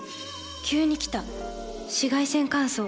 急に来た紫外線乾燥。